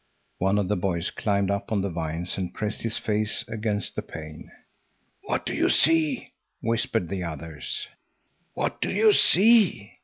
One of the boys climbed up on the vines and pressed his face against the pane. "What do you see?" whispered the others. "What do you see?"